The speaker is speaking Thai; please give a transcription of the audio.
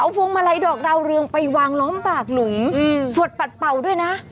พวงมาลัยดอกดาวเรืองไปวางล้อมปากหลุมสวดปัดเป่าด้วยนะ